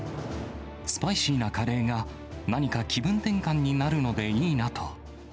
スパイシーなカレーが、何か気分転換になるのでいいなと。